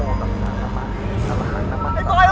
เฮ้ยสุดยอดเลยไอ้ปลาย